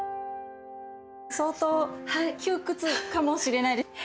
相当窮屈かもしれないですね。